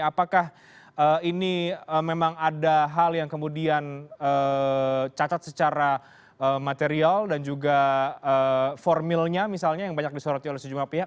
apakah ini memang ada hal yang kemudian cacat secara material dan juga formilnya misalnya yang banyak disoroti oleh sejumlah pihak